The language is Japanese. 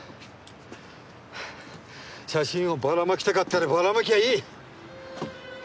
写真をばら撒きたかったらばら撒きゃいい！